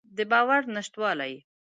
د باور نشتوالی.